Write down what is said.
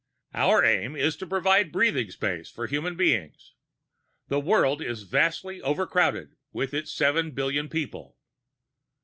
"Our aim is to provide breathing space for human beings. The world is vastly overcrowded, with its seven billion people.